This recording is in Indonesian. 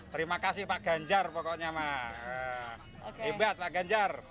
terima kasih pak ganjar pokoknya mah hebat pak ganjar